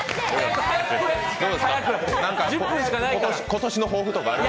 今年の抱負とかある？